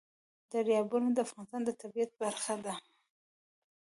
دریابونه د افغانستان د طبیعت برخه ده.